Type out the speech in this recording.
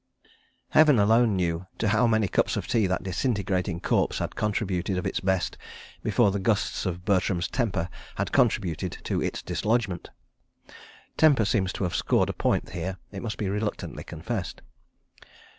..." Heaven alone knew to how many cups of tea that disintegrating corpse had contributed of its best before the gusts of Bertram's temper had contributed to its dislodgment. (Temper seems to have scored a point here, it must be reluctantly confessed.)